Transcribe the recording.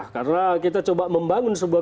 karena kita coba membangun sebuah